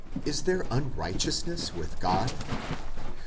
Is there unrighteousness with God?